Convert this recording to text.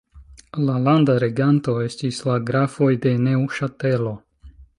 La landa reganto estis la grafoj de Neŭŝatelo.